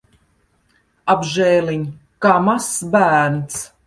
Apžēliņ! Kā mazs bērns.